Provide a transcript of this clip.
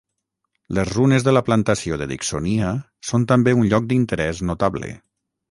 Les runes de la plantació de Dicksonia són també un lloc d'interès notable.